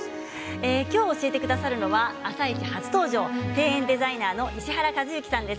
今日教えてくださるのは「あさイチ」初登場庭園デザイナーの石原和幸さんです。